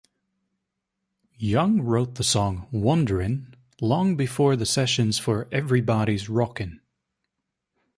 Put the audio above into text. Young wrote the song "Wonderin'" long before the sessions for "Everybody's Rockin"'.